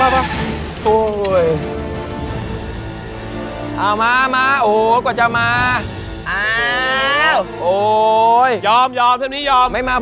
พวกมันก่อนนานแล้วตามมา